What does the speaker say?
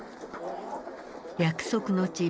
約束の地